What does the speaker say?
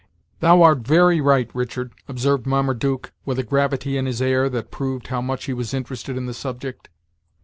"Thou art very right, Richard," observed Marmaduke, with a gravity in his air that proved how much he was interested in the subject.